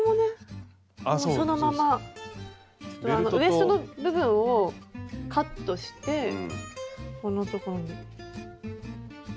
ウエストの部分をカットしてこの所にね？